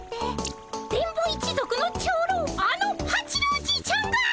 電ボ一族の長老あの八郎じいちゃんが？